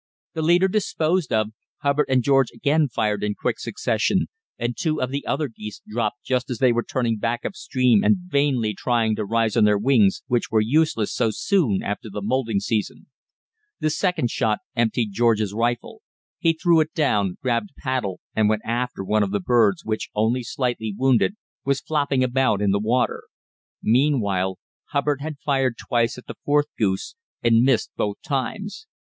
The leader disposed of, Hubbard and George again fired in quick succession, and two of the other geese dropped just as they were turning back upstream and vainly trying to rise on their wings, which were useless so soon after the moulting season. The second shot emptied George's rifle. He threw it down, grabbed a paddle and went after one of the birds, which, only slightly wounded, was flopping about in the water. Meanwhile Hubbard had fired twice at the fourth goose and missed both times.